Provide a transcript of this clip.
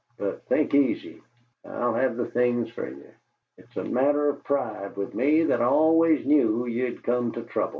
But think easy; I'll have the things fer ye. It's a matter of pride with me that I always knew ye'd come to trouble."